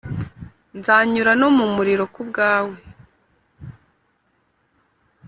Nzanyura no mumuriro kubwawe